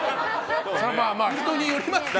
人によりますけど。